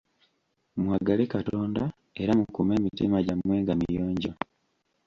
Mwagale katonda era mukuume emitima gyammwe nga miyonjo.